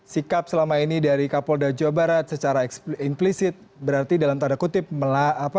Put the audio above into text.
sikap selama ini dari kapolda jawa barat secara eksplisit berarti dalam tanda kutip melakukan